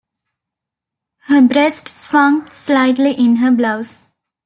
Her breasts swung slightly in her blouse.